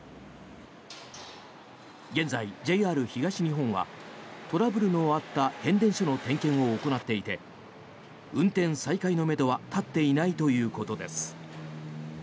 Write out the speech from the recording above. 現在、ＪＲ東日本はトラブルのあった変電所の点検を行っていて運転再開のめどは立っていないということです。